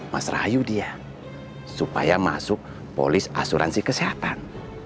mas rayu dia supaya masuk polis asuransi kesehatan